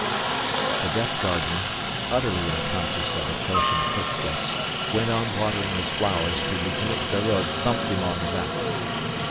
The deaf gardener, utterly unconscious of approaching footsteps, went on watering his flowers till Lieutenant Feraud thumped him on the back.